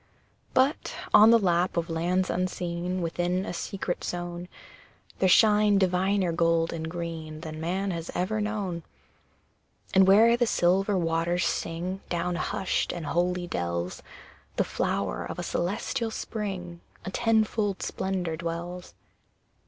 But, on the lap of lands unseen, Within a secret zone, There shine diviner gold and green Than man has ever known. And where the silver waters sing Down hushed and holy dells, The flower of a celestial Spring A tenfold splendour, dwells.